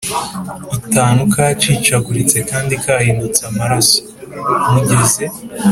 itanu kacikaguritse kandi kahindutse amaraso. Mugeze